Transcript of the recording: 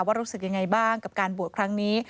รู้สึกยังไงบ้างกับการบวชครั้งนี้